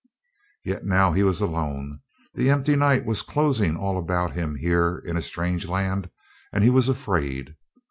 Yet now he was alone; the empty night was closing all about him here in a strange land, and he was afraid.